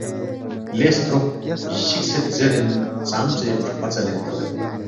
‘‘لے ستروق جیکھسید زیرین ژامژے فروپا ژالین کھورید۔